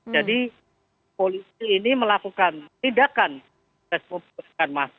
jadi polisi ini melakukan tindakan